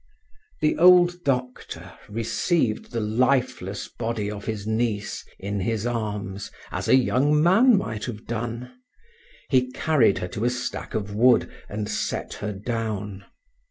The old doctor received the lifeless body of his niece in his arms as a young man might have done; he carried her to a stack of wood and set her down.